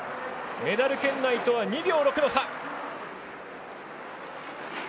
メダル圏内とは２秒６の差。